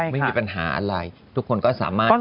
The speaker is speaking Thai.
ไม่มีปัญหาอะไรทุกคนก็สามารถ